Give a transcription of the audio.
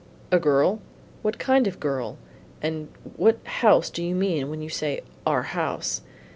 "A girl? what kind of a girl; and what house do you mean when you say our house?"